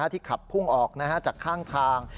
ที่ขับพุ่งออกจากข้างทาง